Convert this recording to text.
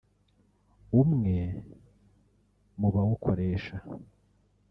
umwe mu bawukoresha